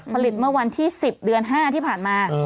ผลิตเมื่อวันที่๑๐เดือน๕ที่ผ่านมา